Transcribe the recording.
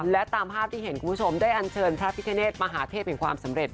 และตามภาพที่เห็นคุณผู้ชมได้อันเชิญพระพิคเนธมหาเทพแห่งความสำเร็จ